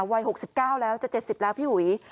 วัยหกสิบเก้าแล้วจะเจ็ดสิบแล้วพี่หุย